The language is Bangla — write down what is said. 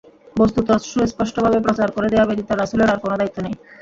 বস্তুত সুস্পষ্টভাবে প্রচার করে দেয়া ব্যতীত রাসূলের আর কোন দায়িত্ব নেই।